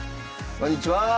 こんにちは。